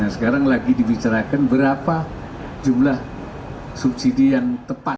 sekarang lagi dibicarakan berapa jumlah subsidi yang tepat